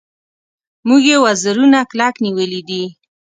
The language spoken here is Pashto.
موږ یې وزرونه کلک نیولي دي.